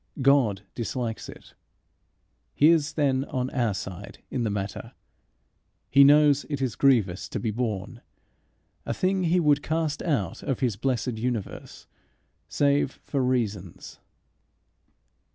God dislikes it. He is then on our side in the matter. He knows it is grievous to be borne, a thing he would cast out of his blessed universe, save for reasons.